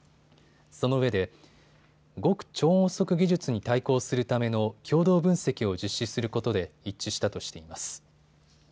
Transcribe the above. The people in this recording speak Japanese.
そのうえで極超音速技術に対抗するための共同分析を実施することで一致したとしています。